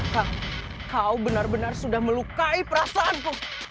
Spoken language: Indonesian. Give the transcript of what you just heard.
hah kau benar benar sudah melukai perasaanku